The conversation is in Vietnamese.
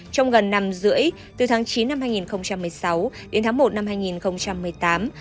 trong gần năm rưỡi từ tháng chín năm hai nghìn một mươi sáu đến tháng một năm hai nghìn một mươi tám